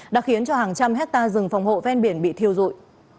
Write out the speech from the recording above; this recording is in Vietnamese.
đã khiến cho hàng trăm hectare rừng phòng hộ ven biển bị thiêu dụi